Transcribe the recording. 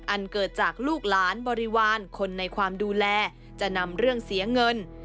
อันเกิดจากลูกหลานบริวารคนในความดูแลจะนำเรื่องเสียเงิน